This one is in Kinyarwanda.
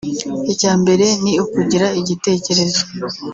icya mbere ni ukugira igitekerezo